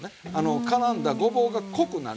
からんだごぼうが濃くなりますわ。